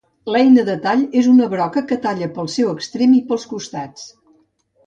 L'eina de tall és una broca que talla pel seu extrem i pels costats.